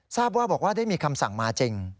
ทราบว่าบอกว่าได้มีคำสั่งมาจริง